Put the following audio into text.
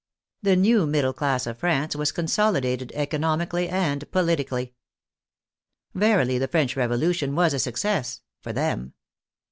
The new middle class of France was consolidated economically and politically. Verily the French Revolution was a success — for them!